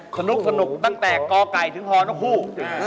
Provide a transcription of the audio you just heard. ขนุกสนุกตั้งแต่กไก่ถึงฮทุก